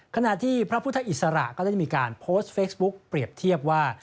ขณะที่พระพุทธอิสระก็ได้มีการโพสต์เฟซบุ๊กเปรียบเทียบว่า